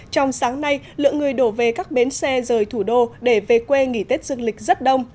trong sáng nay lượng người đổ về các bến xe rời thủ đô để về quê nghỉ tết dương lịch rất đông